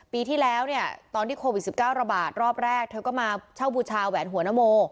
ปีที่แล้วเนี่ยตอนที่โควิด๑๙ระบาดรอบแรกเธอก็มาเช่าบูชาแหวนหัวนโม